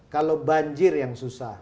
kalau banjir yang susah